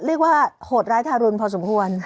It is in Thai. เรียกว่าโหดร้ายทารุณพอสมควร